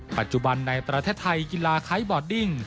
ปัจจุบันในประเทศไทยกีฬาไทยบอร์ดดิ้ง